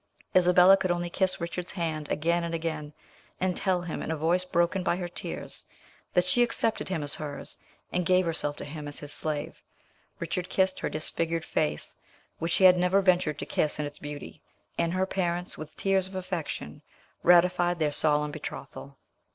Isabella could only kiss Richard's hand again and again, and tell him in a voice broken by her tears, that she accepted him as hers, and gave herself to him as his slave. Richard kissed her disfigured face, which he had never ventured to kiss in its beauty; and her parents, with tears of affection, ratified their solemn betrothal.